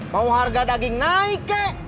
bahwa harga daging naik kek